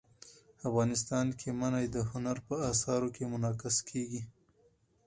افغانستان کې منی د هنر په اثار کې منعکس کېږي.